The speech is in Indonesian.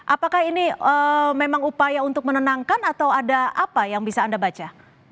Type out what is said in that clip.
apakah ini memang upaya untuk menenangkan atau ada apa yang bisa anda baca